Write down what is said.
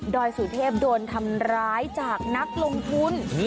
อยสุเทพโดนทำร้ายจากนักลงทุน